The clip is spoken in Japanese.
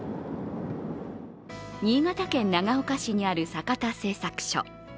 新潟県長岡市にあるサカタ製作所。